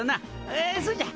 ああそうじゃ！